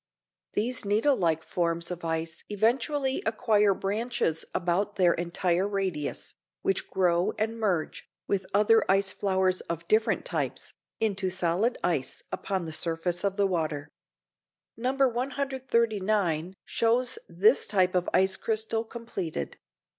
These needle like forms of ice eventually acquire branches about their entire radius, which grow and merge, with other ice flowers of different types, into solid ice upon the surface of the water. No. 139 shows this type of ice crystal completed.